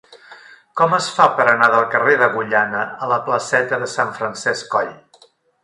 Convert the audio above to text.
Com es fa per anar del carrer d'Agullana a la placeta de Sant Francesc Coll?